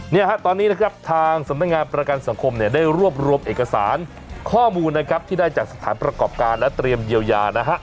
เนี่ยฮะตอนนี้นะครับทางสำนักงานประกันสังคมเนี่ยได้รวบรวมเอกสารข้อมูลนะครับที่ได้จากสถานประกอบการและเตรียมเยียวยานะฮะ